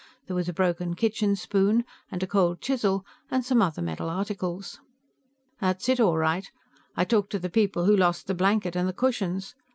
There was a broken kitchen spoon, and a cold chisel, and some other metal articles. "That's it, all right. I talked to the people who lost the blanket and the cushions.